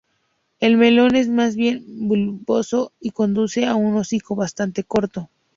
El melón es más bien bulboso, y conduce a un hocico bastante corto.